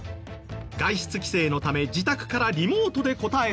外出規制のため自宅からリモートで答えてもらった。